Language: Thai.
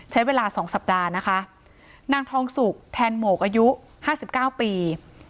ใช้เวลาสองสัปดาห์นะคะนางทองสุกแทนโหมกอายุห้าสิบเก้าปี